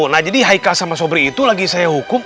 nah jadi haika sama sobri itu lagi saya hukum